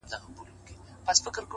مخامخ وتراشل سوي بت ته ناست دی،